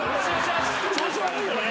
調子悪いよね。